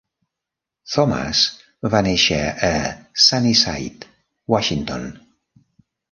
Thomas va néixer a Sunnyside, Washington.